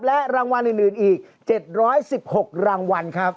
และรางวัลอื่นอีก๗๑๖รางวัลครับ